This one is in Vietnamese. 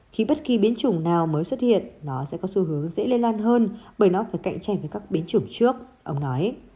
khi bất kỳ biến chủng nào mới xuất hiện nó sẽ có xu hướng dễ lây lan hơn bởi nó phải cạnh tranh với các biến chủng trước ông nói